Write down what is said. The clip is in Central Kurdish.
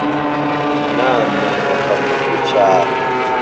ناممێنێ حورمەت و چار